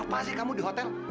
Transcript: apa sih kamu di hotel